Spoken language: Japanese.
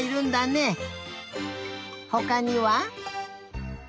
ほかには？